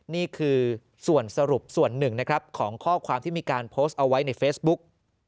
นี่คือส่วนสรุปส่วนหนึ่งนะครับของข้อความที่มีการโพสต์เอาไว้ในเฟซบุ๊ก